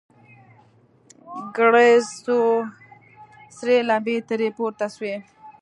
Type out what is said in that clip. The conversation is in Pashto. گړز سو سرې لمبې ترې پورته سوې.